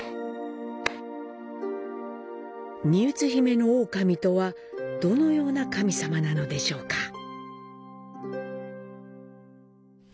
丹生都比売大神とはどのような神様なのでしょうか。